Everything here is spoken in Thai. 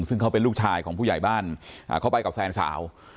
ซึ่งเขาเป็นลูกชายของผู้ใหญ่บ้านเขาไปกับแฟนสาว